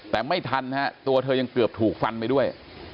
แต่ไม่ทันฮะตัวเธอยังเกือบถูกฟันไปด้วย